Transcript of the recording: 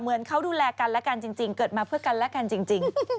เหมือนเขาดูแลกันและกันจริงเกิดมาเพื่อกันและกันจริง